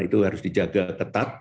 itu harus dijaga ketat